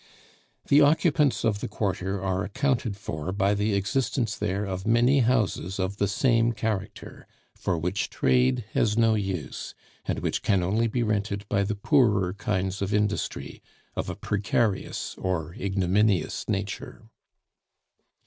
The occupants of the quarter are accounted for by the existence there of many houses of the same character, for which trade has no use, and which can only be rented by the poorer kinds of industry, of a precarious or ignominious nature.